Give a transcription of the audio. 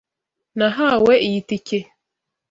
Nahawe iyi tike.